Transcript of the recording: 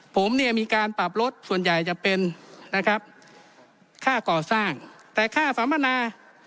ผมเนี่ยมีการปรับรถส่วนใหญ่จะเป็นนะครับค่าก่อสร้างแต่ค่าสัมมนา